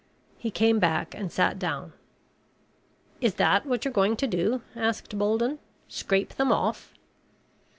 He came back and sat down. "Is that what you're going to do?" asked Bolden. "Scrape them off?"